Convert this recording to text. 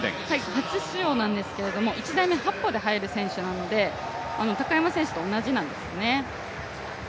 初出場なんですけど、１台目８歩で入る選手なので高山選手と同じなんですね。